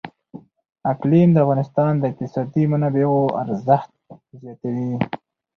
اقلیم د افغانستان د اقتصادي منابعو ارزښت زیاتوي.